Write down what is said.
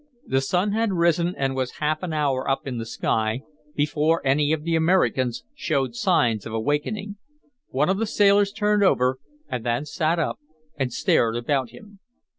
The sun had risen and was half an hour up in the sky before any of the Americans showed signs of awakening. One of the sailors turned over and then sat up and stared about him.